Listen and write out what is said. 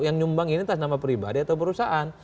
yang nyumbang ini atas nama pribadi atau perusahaan